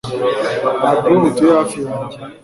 Ntabwo atuye hafi yanjye.